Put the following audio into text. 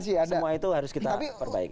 semua itu harus kita perbaiki